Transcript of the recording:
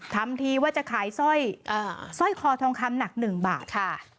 ทำทีว่าจะขายสร้อยอ่าสร้อยคอทองคำหนักหนึ่งบาทค่ะ